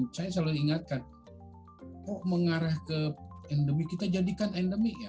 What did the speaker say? saya selalu ingatkan kok mengarah ke endemi kita jadikan endemik ya